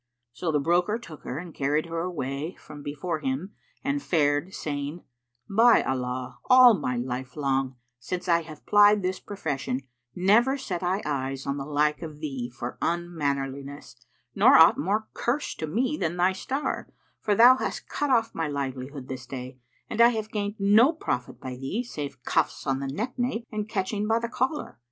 So the broker took her and carried her away from before him and fared, saying, "By Allah, all my life long, since I have plied this profession never set I eyes on the like of thee for unmannerliness nor aught more curst to me than thy star, for thou hast cut off my livelihood this day and I have gained no profit by thee save cuffs on the neck nape and catching by the collar!"